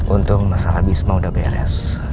untung masalah bisma sudah beres